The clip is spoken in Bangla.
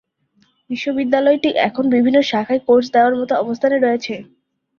বিশ্ববিদ্যালয়টি এখন বিভিন্ন শাখায় কোর্স দেওয়ার মতো অবস্থানে রয়েছে।